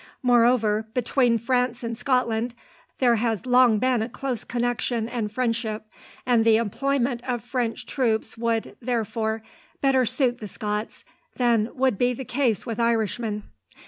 Moreover, between France and Scotland there has long been a close connection and friendship, and the employment of French troops would, therefore, better suit the Scots than would be the case with Irishmen.